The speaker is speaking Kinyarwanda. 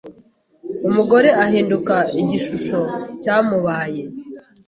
umugore ahinduka igishusho cyamabuye